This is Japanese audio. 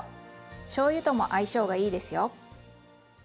しょうゆとも相性がいいですよ。